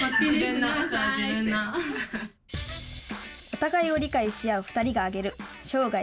お互いを理解し合う２人が挙げる生涯